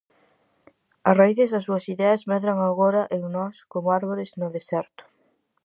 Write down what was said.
As raíces das súas ideas medran agora en nós, coma árbores no deserto.